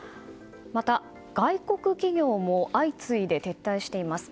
また、外国企業も相次いで撤退しています。